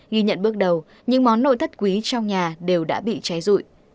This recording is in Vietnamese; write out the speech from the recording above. ghi nhận bước đầu những món nộ thất quý trong nhà đều đã bị cháy rụi